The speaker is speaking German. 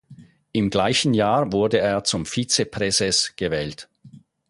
Im gleichen Jahr wurde er zum Vizepräses gewählt.